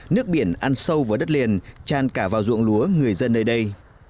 nước biển ăn sâu vào đất liền tràn cả vào ruộng lúa người dân nơi đây